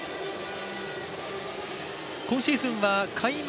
今シーズンは開幕